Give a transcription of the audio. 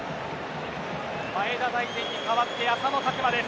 前田大然に代わって浅野拓磨です。